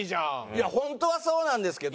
いや本当はそうなんですけど。